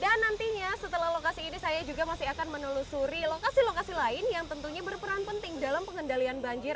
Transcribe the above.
dan nantinya setelah lokasi ini saya juga masih akan menelusuri lokasi lokasi lain yang tentunya berperan penting dalam pengendalian banjir